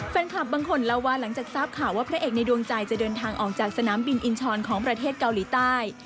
แฟนคลับบางคนเล่าว่าหลังจากทราบข่าวว่าพระเอกในดวงใจจะเดินทางออกจากสนามบินอินชรของประเทศเกาหลีใต้